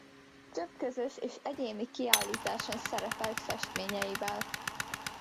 Több közös és egyéni kiállításon szerepelt festményeivel.